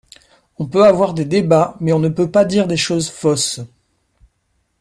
On peut avoir des débats, mais on ne peut pas dire des choses fausses.